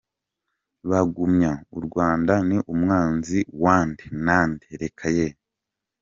Bagumya u Rwanda ni umwanzi wande na nde? Reka ye!.